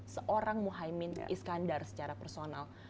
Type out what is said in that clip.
seorang muhaymin iskandar secara personal